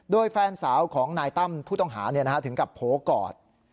โดยแฟนสาวของนายตั้มผู้ต้องหาถึงกับโผล่กอด